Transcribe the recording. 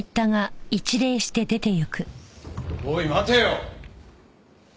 おい待てよ！